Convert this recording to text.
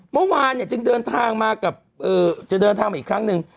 เมื่อวานเนี่ยจึงเดินทางมากับจะเดินทางมาอีกครั้งหนึ่ง